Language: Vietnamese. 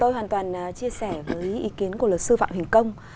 tôi hoàn toàn chia sẻ với ý kiến của luật sư phạm hình công